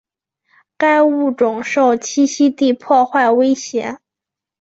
该物种受栖息地破坏威胁。